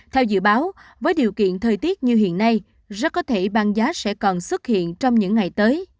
theo dự báo với điều kiện thời tiết như hiện nay rất có thể băng giá sẽ còn xuất hiện trong những ngày tới